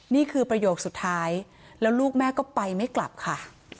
นี่คือประโยคสุดท้ายแล้วลูกแม่ก็ไปไม่กลับค่ะ